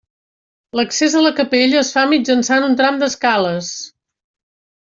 L'accés a la capella es fa mitjançant un tram d'escales.